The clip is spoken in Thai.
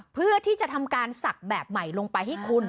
เพื่อที่จะทำการศักดิ์แบบใหม่ลงไปให้คุณ